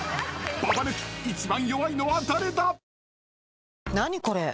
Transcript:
［ババ抜き一番弱いのは誰だ？］